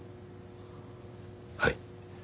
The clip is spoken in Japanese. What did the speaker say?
はい。